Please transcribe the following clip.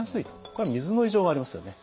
これは水の異常がありますよね。